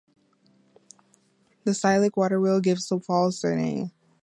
This cyclic "waterwheel" gives the falls their name.